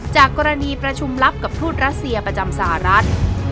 จากกรณีประชุมลับกับทูตรัสเซียประจำสหรัฐ